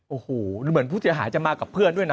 โอ้โฮภูเจะหายจะมากับเพื่อนด้วยนะ